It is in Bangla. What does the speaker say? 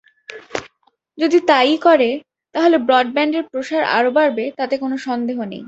যদি তাই-ই করে, তাহলে ব্রডব্যান্ডের প্রসার আরও বাড়বে তাতে কোনো সন্দেহ নেই।